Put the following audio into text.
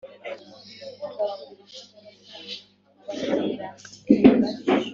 ifata inyama imwe irayitamira, ubwo bakame iba yayibonye,